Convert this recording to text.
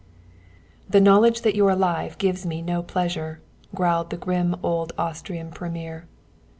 _ "The knowledge that you're alive gives me no pleasure," growled the grim old Austrian premier.